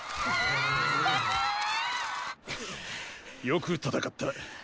よく戦った。